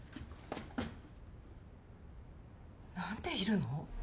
何でいるの？